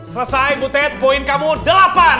selesai butet poin kamu delapan